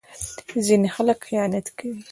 ځینې خلک خیانت کوي.